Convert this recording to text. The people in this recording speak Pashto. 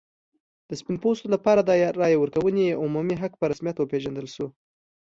د سپین پوستو لپاره د رایې ورکونې عمومي حق په رسمیت وپېژندل شو.